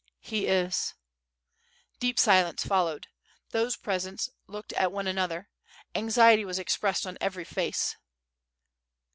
"He is." Deep silence followed. Those present looked at one an other, ... anxiety was expressed on every face.